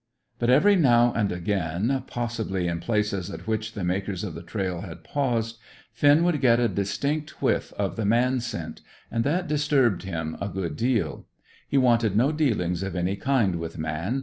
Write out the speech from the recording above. But every now and again, possibly in places at which the makers of the trail had paused, Finn would get a distinct whiff of the man scent, and that disturbed him a good deal. He wanted no dealings of any kind with man.